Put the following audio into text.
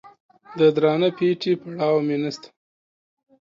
د درانه پېټي پروا مې نسته.